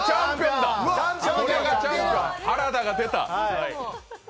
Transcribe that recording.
原田が出た！